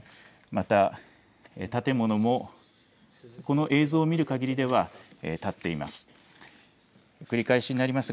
また、建物もこの映像を見るかぎりではたっています。